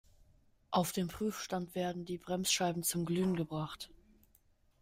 Auf dem Prüfstand werden die Bremsscheiben zum Glühen gebracht.